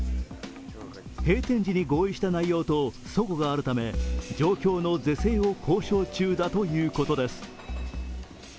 閉店時に合意した内容とそごがあるため、状況の是正を交渉中だということです。